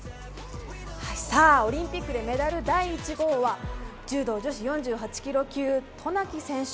さあ、オリンピックでメダル第１号は柔道女子４８ｋｇ級渡名喜選手。